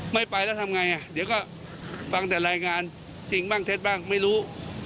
ไม่ไปแล้วทำไงเดี๋ยวก็ฟังแต่รายงานจริงบ้างเท็จบ้างไม่รู้